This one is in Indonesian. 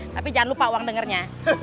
tapi jangan lupa uang dengernya